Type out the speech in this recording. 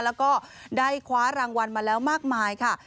แล้วก็ได้คว้ารางวัลมาแล้วมากมายค่ะ